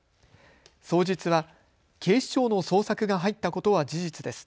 双日は警視庁の捜索が入ったことは事実です。